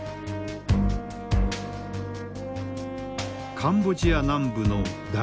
カンボジア南部のダラサコー。